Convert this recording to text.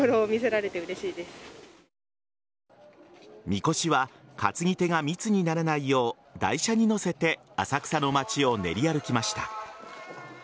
みこしは担ぎ手が密にならないよう台車に載せて浅草の街を練り歩きました。